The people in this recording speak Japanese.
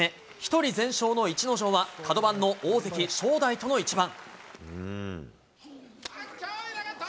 １人全勝の逸ノ城は、角番の大関・正代との一番。